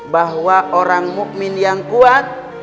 bahwa orang mu'min yang kuat